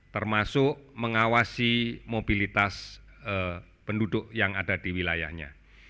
termasuk mengawasi mobilitas penduduk yang ada di wilayahnya